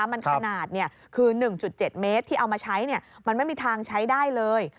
มันขนาดคือ๑๗เมตรที่เอามาใช้มันไม่มีทางใช้ได้เลย